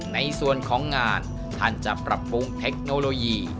ในส่วนของงานท่านจะปรับปรุงเทคโนโลยี